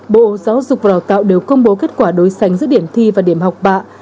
bộ giáo dục và đào tạo đều công bố kết quả đối sánh giữa điểm thi và điểm học bạ